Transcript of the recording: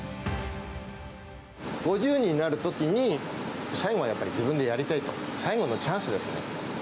５０になるときに、最後はやっぱり自分でやりたいと、最後のチャンスですね。